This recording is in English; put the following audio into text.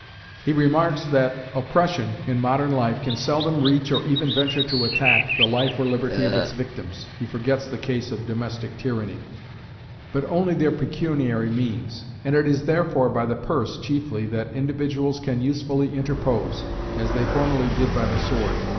He remarks, that oppression, in modern life, can seldom reach, or even venture to attack, the life or liberty of its victims (he forgets the case of domestic tyranny), but only their pecuniary means, and it is therefore by the purse chiefly that individuals can usefully interpose, as they formerly did by the sword.